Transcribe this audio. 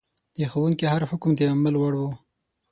د ښوونکي هر حکم د عمل وړ و.